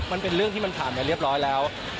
มันเป็นเรื่องที่มันผ่านไปเรียบร้อยแล้ว